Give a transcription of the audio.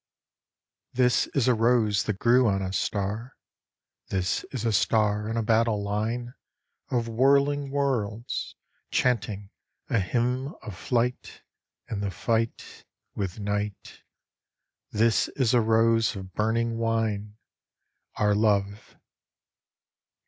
This is a rose that grew on a star This is a star in a battle line Of whirring worlds, Chanting a hymn of flight In the fight With Night, >, This is a rose of burning wine, Our love.